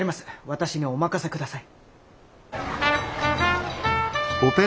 私にお任せください。